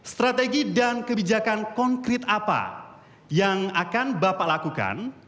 strategi dan kebijakan konkret apa yang akan bapak lakukan